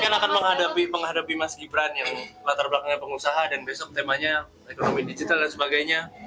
kan akan menghadapi mas gibran yang latar belakangnya pengusaha dan besok temanya ekonomi digital dan sebagainya